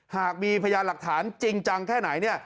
หากมีพยานหลักฐานจริงจังแค่ไหนเนี่ย